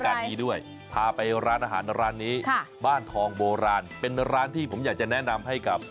ของกินเยอะแยะนะกลับไปทานอะไร